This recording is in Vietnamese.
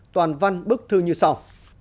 toàn văn bức thư như sau